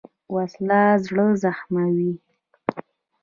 وسله زړه زخموي